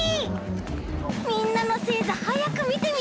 みんなのせいざはやくみてみたいな。